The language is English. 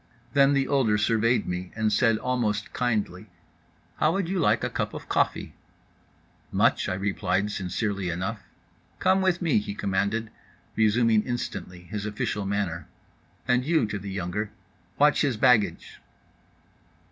Then the older surveyed me and said almost kindly: "How would you like a cup of coffee?"—"Much," I replied sincerely enough.—"Come with me," he commanded, resuming instantly his official manner. "And you" (to the younger) "watch his baggage."